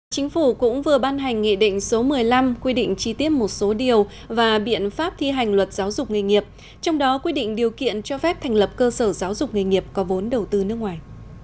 chính phủ cũng vừa ban hành nghị định số một mươi năm quy định chi tiết một số điều và biện pháp thi hành luật giáo dục nghề nghiệp trong đó quy định điều kiện cho phép thành lập cơ sở giáo dục nghề nghiệp có vốn đầu tư nước ngoài